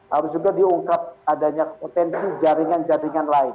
harus juga diungkap adanya potensi jaringan jaringan lain